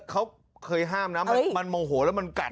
เขาเคยห้ามนะมันโมโหแล้วมันกัด